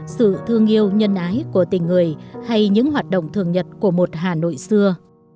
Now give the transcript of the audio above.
sự thương yêu nhân ái của tình người hay những hoạt động thường nhật của một hà nội xưa